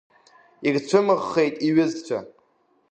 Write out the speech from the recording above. Ирцәымыӷхеит иҩызцәа.